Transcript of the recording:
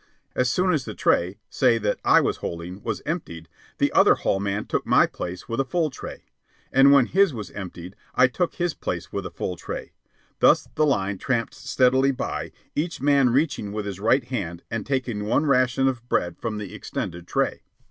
As soon as the tray, say, that I was holding was emptied, the other hall man took my place with a full tray. And when his was emptied, I took his place with a full tray. Thus the line tramped steadily by, each man reaching with his right hand and taking one ration of bread from the extended tray.